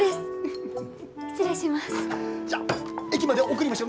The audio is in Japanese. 失礼します。